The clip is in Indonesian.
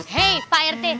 hei pak rt